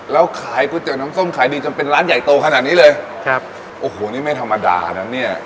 แล้วขายก๋วยเตี๋ยวน้ำส้มขายดีจนเป็นร้านใหญ่โตขนาดนี้เลยครับโอ้โหนี่ไม่ธรรมดานะเนี่ย